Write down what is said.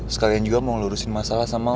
sekalian juga mau lurusin masalah sama